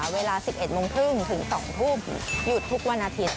เวลา๑๑โมงครึ่งถึง๒ทุ่มหยุดทุกวันอาทิตย์